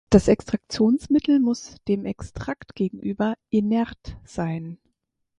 Das Extraktionsmittel muss dem Extrakt gegenüber inert sein.